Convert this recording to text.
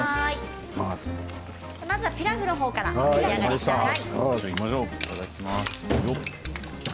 まずはピラフの方からお召し上がりください。